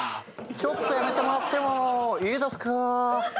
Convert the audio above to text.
ちょっとやめてもらってもいいですか。